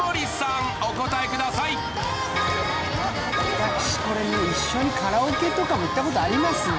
私これね、一緒にカラオケとかも行ったことありますね。